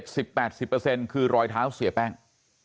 สิบแปดสิบเปอร์เซ็นต์คือรอยเท้าเสียแป้ง